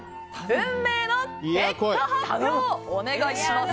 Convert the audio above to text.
運命の結果発表お願いします。